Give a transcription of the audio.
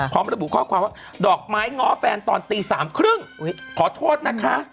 พร้อมระบุข้อความว่าดอกไม้ง้อแฟนตอนตี๓๓๐ขอโทษนะคะ